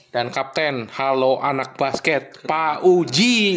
dan kapten halo anak basket pa uji